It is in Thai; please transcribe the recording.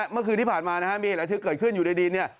เมื่อคืนที่ผ่านมานะฮะมีอะไรที่เกิดขึ้นอยู่ในดินเนี่ย